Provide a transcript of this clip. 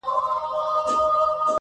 • په هغه دم له بازاره وې راغلي -